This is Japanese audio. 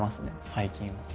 最近は。